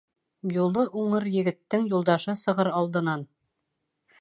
Юлы уңыр егеттең юлдашы сығыр алдынан.